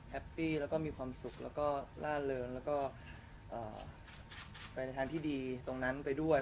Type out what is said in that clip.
ปี้แล้วก็มีความสุขแล้วก็ล่าเริงแล้วก็ไปในทางที่ดีตรงนั้นไปด้วย